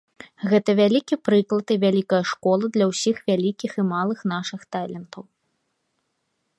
Гэта вялікі прыклад і вялікая школа для ўсіх вялікіх і малых нашых талентаў.